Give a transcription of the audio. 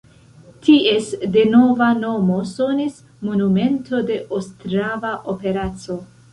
Ties devena nomo sonis Monumento de Ostrava operaco.